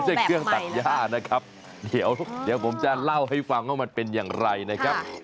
เครื่องตัดย่านะครับเดี๋ยวผมจะเล่าให้ฟังว่ามันเป็นอย่างไรนะครับ